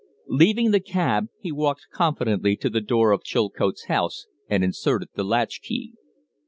Leaving the cab, he walked confidently to the door of Chilcote's house and inserted the latch key.